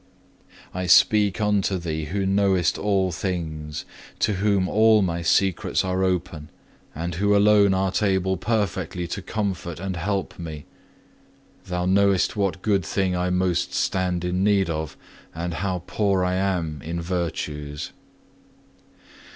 I speak unto Thee who knowest all things, to whom all my secrets are open, and who alone art able perfectly to comfort and help me. Thou knowest what good thing I most stand in need of, and how poor I am in virtues.